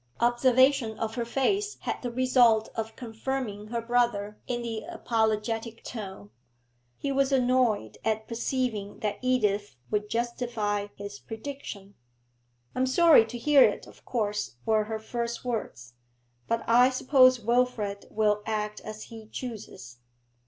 Observation of her face had the result of confirming her brother in the apologetic tone. He was annoyed at perceiving that Edith would justify his prediction. 'I am sorry to hear it, of course,' were her first words, 'but I suppose Wilfrid will act as he chooses.'